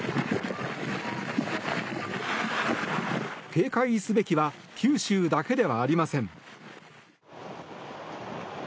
警戒すべきは九州だけではありません。